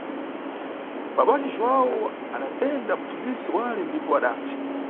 Babace Jhuwawu adatenda apfundzisi wale ndipo adati.